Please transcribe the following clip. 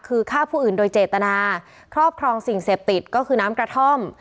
คือฆ่าผู้อื่นโดยเจตนาครอบครองสิ่งเสพติดก็คือน้ำกระท่อม